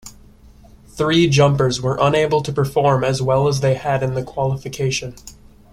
Three jumpers were unable to perform as well as they had in the qualification.